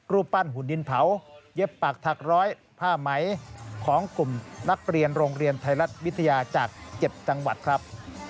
รูปปั้นหุ่นดินเผาเย็บปากถักร้อยผ้าไหมของกลุ่มนักเรียนโรงเรียนไทยรัฐวิทยาจาก๗จังหวัดครับ